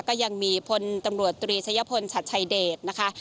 ก็ยังมีพลตำรวจตรีชะยพลชัดชัยเดชนะคะ